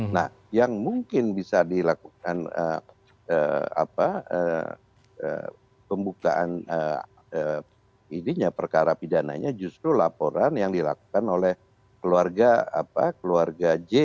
nah yang mungkin bisa dilakukan pembukaan perkara pidananya justru laporan yang dilakukan oleh keluarga j